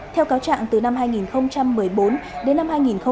theo cáo trạng từ năm hai nghìn một mươi bốn đến năm hai nghìn một mươi bảy